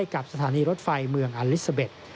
กับสถานีรถไฟเมืองอลิซาเบ็ด